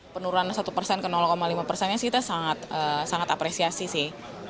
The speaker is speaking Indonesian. penurunan satu persen ke lima persennya sih kita sangat apresiasi sih